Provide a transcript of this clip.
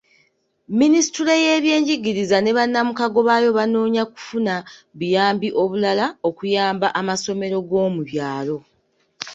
Minisitule y'ebyenjigiriza ne bannamukago baayo banoonya kufuna buyambi obulala okuyamba amasomero g'omu byalo.